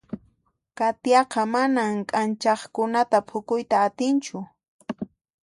Katiaqa manan k'anchaqkunata phukuyta atinchu.